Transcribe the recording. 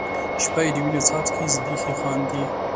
شپه یې د وینو څاڅکي زبیښي خاندي